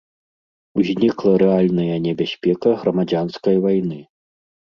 Узнікла рэальная небяспека грамадзянскай вайны.